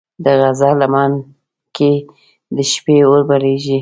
د غره لمن کې د شپې اور بلېږي.